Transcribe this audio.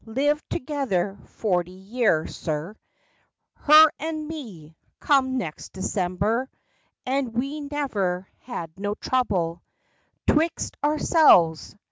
Lived together forty year, sir, Her and me, come next December; And we never had no trouble 'Twixt ourselves.